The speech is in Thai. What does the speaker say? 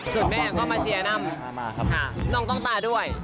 ส่วนแม่ก็มาเชียร์นำน้องต้องตาด้วย